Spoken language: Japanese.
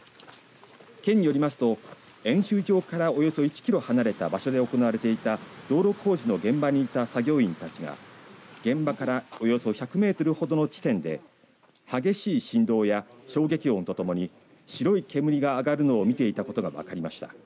県によりますと演習場から、およそ１キロ離れた場所で行われていた道路工事の現場にいた作業員たちが現場からおよそ１００メートルほどの地点で激しい振動や衝撃音とともに白い煙が上がるのを見ていたことが分かりました。